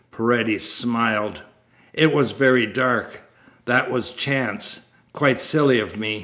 Paredes smiled. "It was very dark. That was chance. Quite silly of me.